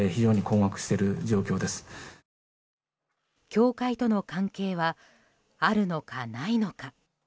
教会との関係はあるのか、ないのか。